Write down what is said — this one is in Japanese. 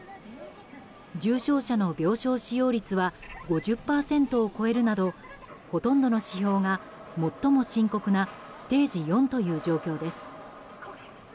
重症者の病床使用率は５０％を超えるなどほとんどの指標が最も深刻なステージ４という状況です。